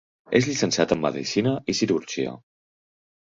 És llicenciat en medicina i cirurgia.